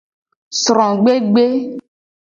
Srogbegbe.